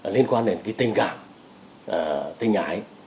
liên quan đến cái tình cảm tình ái